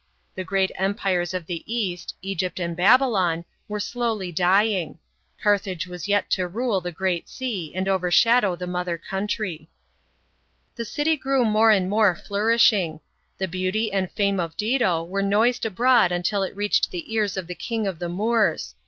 The ^reao empires of the East, Egypt and Babylon, were slowly dying ; Carthage was yet to rule the Great Sea and overshadow the mother country. The city grew more and more flourishing. The beauty and fame of Dido were noised abroad until it reached the ears of the King of the Moors.